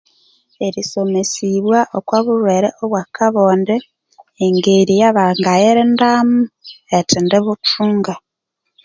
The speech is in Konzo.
Erisomesibwa okwa bulhwere obwa kabonde engeri yabangayirindamo erithendi buthunga